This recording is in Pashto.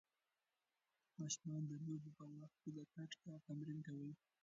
ماشومان د لوبو په وخت کې د ګډ کار تمرین کوي.